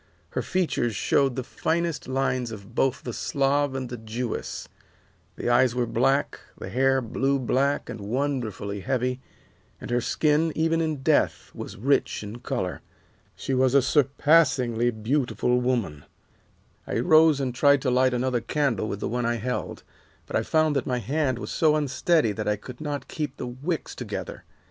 Her features showed the finest lines of both the Slav and the Jewess; the eyes were black, the hair blue black and wonderfully heavy, and her skin, even in death, was rich in color. She was a surpassingly beautiful woman. [Illustration: 07 At my feet was the body of a beautiful woman] "I rose and tried to light another candle with the one I held, but I found that my hand was so unsteady that I could not keep the wicks together.